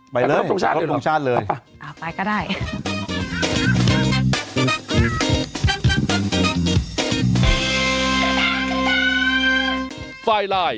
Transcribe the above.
ไปเลยขอรับทรงชาติเลย